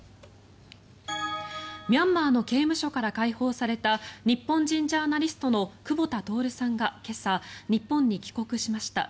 ミャンマーの刑務所から解放された日本人ジャーナリストの久保田徹さんが今朝、日本に帰国しました。